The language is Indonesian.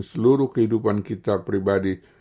seluruh kehidupan kita pribadi